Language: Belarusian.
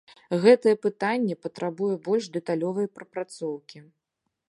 Гэтае пытанне патрабуе больш дэталёвай прапрацоўкі.